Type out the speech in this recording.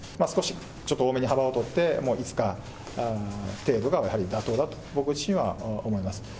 少しちょっと多めに幅を取って、５日程度がやはり妥当だと、僕自身は思います。